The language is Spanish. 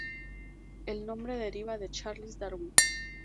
El nombre deriva de Charles Darwin.